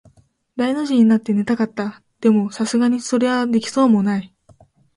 大の字になって寝たかった。でも、流石にそれはできそうもない。